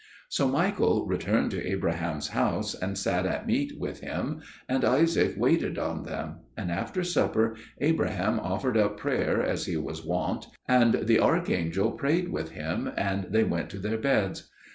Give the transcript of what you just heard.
So Michael returned to Abraham's house, and sat at meat with him, and Isaac waited on them; and after supper, Abraham offered up prayer as he was wont, and the archangel prayed with him, and they went to their beds.